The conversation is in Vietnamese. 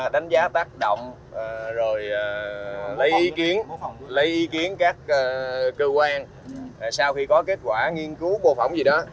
đánh giá tác động rồi lấy ý kiến các cơ quan sau khi có kết quả nghiên cứu bộ phỏng gì đó